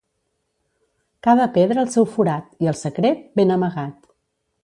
Cada pedra al seu forat i el secret ben amagat.